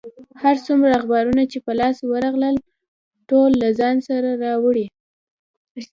هر څومره اخبارونه چې په لاس ورغلل، ټول له ځان سره راوړي.